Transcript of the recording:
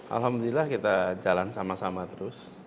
alhamdulillah kita jalan sama sama terus